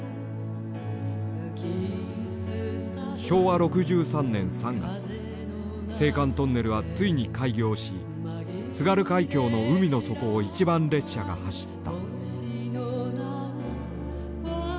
昭和６３年３月青函トンネルはついに開業し津軽海峡の海の底を一番列車が走った。